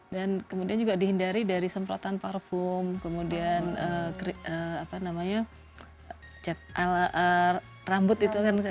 dan kemudian juga dihindari dari semprotan parfum kemudian apa namanya cek rambut itu akan terkena